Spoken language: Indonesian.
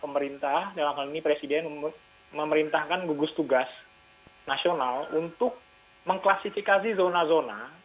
pemerintah dalam hal ini presiden memerintahkan gugus tugas nasional untuk mengklasifikasi zona zona